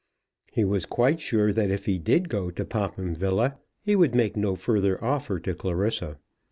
He was quite sure that if he did go to Popham Villa he would make no further offer to Clarissa.